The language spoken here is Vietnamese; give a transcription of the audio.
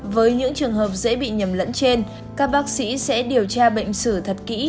với những trường hợp dễ bị nhầm lẫn trên các bác sĩ sẽ điều tra bệnh sử thật kỹ